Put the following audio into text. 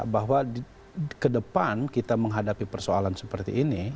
bahwa ke depan kita menghadapi persoalan seperti ini